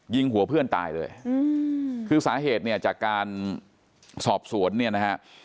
ยิงหัวเพื่อนตายเลยคือสาเหตุเนี่ยจากการสอบสวนเนี่ยนะฮะ